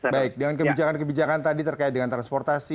baik dengan kebijakan kebijakan tadi terkait dengan transportasi